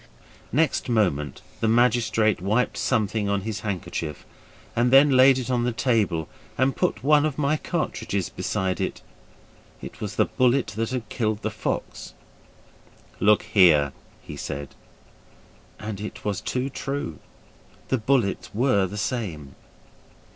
Next moment the magistrate wiped something on his handkerchief and then laid it on the table, and put one of my cartridges beside it. It was the bullet that had killed the fox. 'Look here!' he said. And it was too true. The bullets were the same.